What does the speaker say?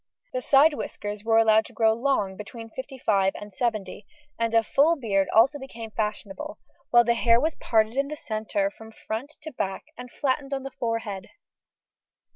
The side whiskers were allowed to grow long between fifty five and seventy, and full beards also became fashionable, while the hair was parted in the centre from front to back and flattened on the forehead.